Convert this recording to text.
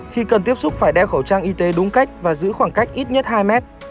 khi cần tiếp xúc phải đeo khẩu trang y tế đúng cách và giữ khoảng cách ít nhất hai mét